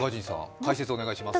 解説お願いします。